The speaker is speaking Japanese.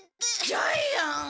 ジャイアン！